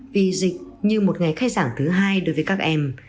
vì dịch như một ngày khai giảng thứ hai đối với các em